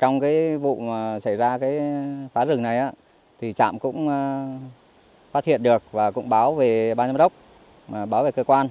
trong vụ xảy ra phá rừng này chạm cũng phát hiện được và cũng báo về ban giám đốc báo về cơ quan